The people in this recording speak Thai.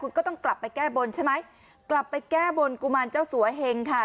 คุณก็ต้องกลับไปแก้บนใช่ไหมกลับไปแก้บนกุมารเจ้าสัวเฮงค่ะ